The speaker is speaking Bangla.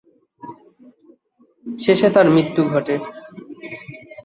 শেষে তার মৃত্যু ঘটে।